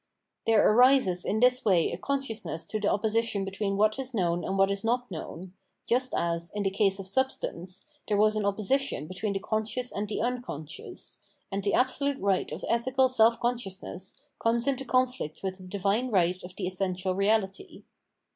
There arises in this way in consciousness the opposi tion between what is known and what is not known, just as, in the case of substance, there was an opposition between the conscious and the unconscious ; and the 463 Ethical Action absolute right of ethical self consciousness comes into conflict with the divine right of the essential reality.